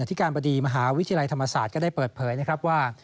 ธิการบดีมหาวิทยาลัยธรรมศาสตร์ก็ได้เปิดเผยนะครับว่า